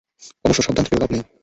অবশ্য, সাবধানে থেকেও লাভ নেই!